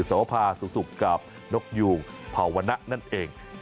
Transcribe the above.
โสภาสุสุกกับนกยูงภาวนะนั่นเอง